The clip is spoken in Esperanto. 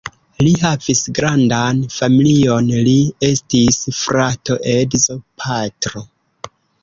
Li havis grandan familion: li estis frato, edzo, patro.